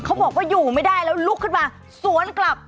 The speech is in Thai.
เขาบอกว่าอยู่ไม่ได้แล้วลุกขึ้นมาสวนกลับ